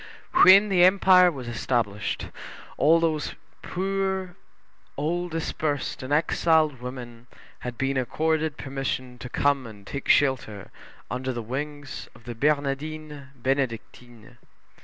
When the Empire was established, all these poor old dispersed and exiled women had been accorded permission to come and take shelter under the wings of the Bernardines Benedictines.